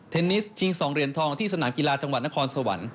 นิสชิง๒เหรียญทองที่สนามกีฬาจังหวัดนครสวรรค์